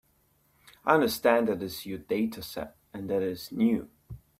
I understand that it is your dataset, and that it is new.